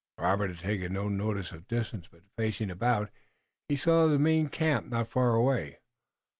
Robert had taken no notice of distance, but facing about, he saw the main camp not far away.